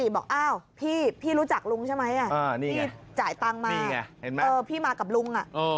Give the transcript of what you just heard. บอกอ้าวพี่รู้จักลุงใช่ไหมพี่จ่ายตังค์มาพี่มากับลุง